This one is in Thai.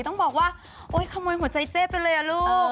ต้องบอกว่าโอ๊ยขโมยหัวใจเจ๊ไปเลยอ่ะลูก